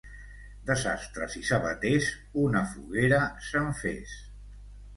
De sastres i sabaters, una foguera se'n fes.